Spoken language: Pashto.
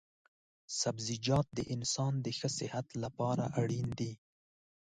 سبزيجات د انسان د ښه صحت لپاره اړين دي